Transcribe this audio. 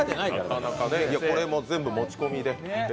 これも全部持ち込みで。